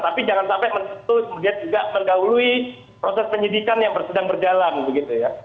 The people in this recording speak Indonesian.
tapi jangan sampai menentu juga menggauhlui proses penyidikan yang sedang berjalan begitu ya